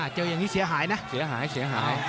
เจออย่างนี้เสียหายนะเสียหายเสียหาย